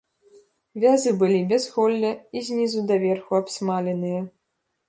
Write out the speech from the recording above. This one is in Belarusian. Вязы былі без голля і знізу даверху абсмаленыя.